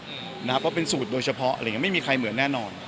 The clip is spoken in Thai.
เพราะเป็นสูตรโดยเฉพาะไม่มีใครเหมือนแน่นอน